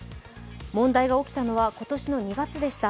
問題が起きたのは今年２月でした。